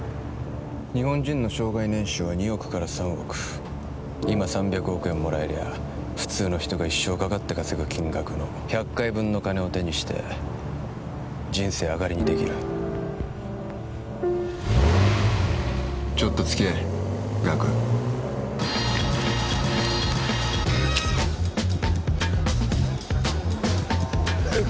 日本人の生涯年収は２億から３億今３００億円もらえりゃ普通の人が一生かかって稼ぐ金額の１００回分の金を手にして人生あがりにできるちょっと付き合えガクえっ